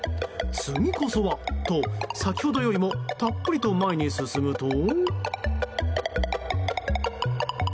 次こそはと先ほどよりもたっぷりと前に進むと。